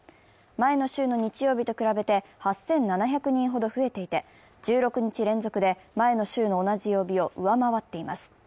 前の週の日曜日と比べて８７００人ほど増えていて１６日連続で前の週の同じ曜日を上回っています。